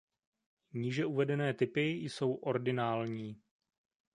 Níže uvedené typy jsou "ordinální".